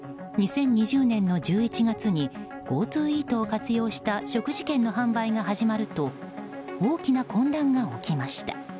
２０２０年の１１月にＧｏＴｏイートを活用した食事券の販売が始まると大きな混乱が起きました。